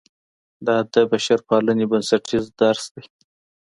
دا د بشرپالنې بنسټیز درس دی.